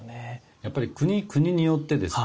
やっぱり国によってですね